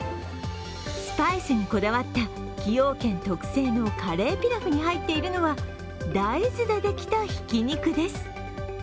スパイスにこだわった崎陽軒特製のカレーピラフに入っているのは大豆でできた、ひき肉です。